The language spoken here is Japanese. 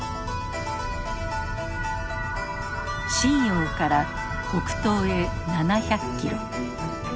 瀋陽から北東へ７００キロ。